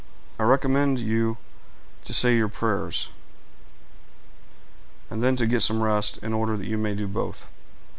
I recommend you to say your prayers, and then to get some rest, in order that you may do both.